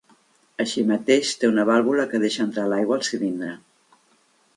Així mateix, té una vàlvula que deixa entrar l'aigua al cilindre